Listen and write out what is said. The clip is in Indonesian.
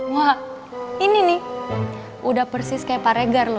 wah ini nih udah persis kayak paregar loh